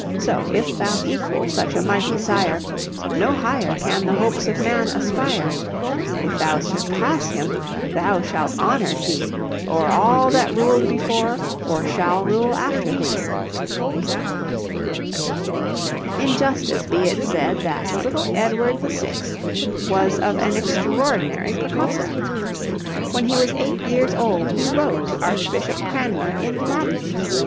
So, if thou equal such a mighty sire, No higher can the hopes of man aspire; If thou surpass him, thou shalt honoured be O'er all that ruled before, or shall rule after thee. [Footnote 3: Translated by Miss K. K. Radford.] In justice be it said that the little Edward VI. was of an extraordinary precocity. When he was eight years old he wrote to Archbishop Cranmer in Latin.